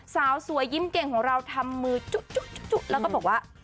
สาวสวยยิ้มเก่งของเราทำมือจุ๊แล้วก็บอกว่า